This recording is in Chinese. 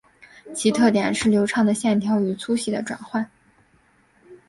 其特点是流畅的线条与粗细的转换。